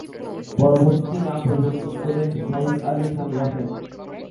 পরবর্তীতে নাম পরিবর্তন করে সাইফ আলী খান রাখেন।